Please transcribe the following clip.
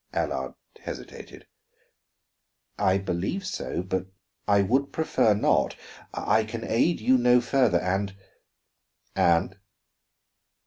Allard hesitated. "I believe so, but I would prefer not. I can aid you no further; and " "And?"